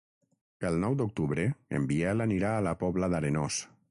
El nou d'octubre en Biel anirà a la Pobla d'Arenós.